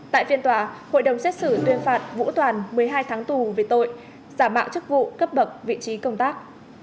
tại phiên tòa hội đồng xét xử tuyên phạt vũ toàn một mươi hai tháng tù về tội giả mạo chức vụ cấp bậc vị trí công tác